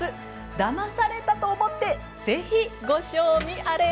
だまされたと思ってぜひご賞味あれ！